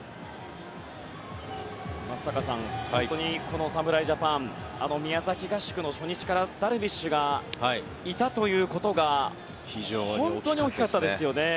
松坂さん、本当にこの侍ジャパン宮崎合宿の初日からダルビッシュがいたということが本当に大きかったですよね。